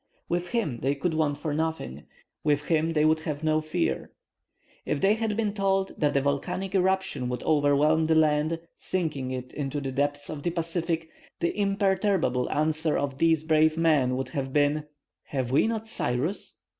With him they could want for nothing; with him they would have no fear. If they had been told that a volcanic eruption would overwhelm the land, sinking it into the depths of the Pacific, the imperturbable answer of these brave men would have been, "Have we not Cyrus!"